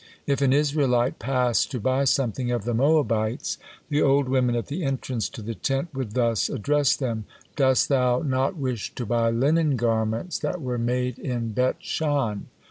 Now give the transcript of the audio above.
If an Israelite passed to buy something of the Moabites, the old women at the entrance to the tent would thus address him, "Dost thou not wish to buy linen garments that were made in Bet Shan?"